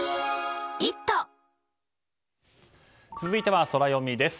続いてはソラよみです。